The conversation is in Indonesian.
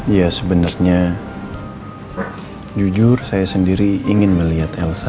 ya sebenarnya jujur saya sendiri ingin melihat elsa